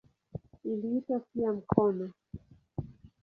Iliitwa pia "mkono".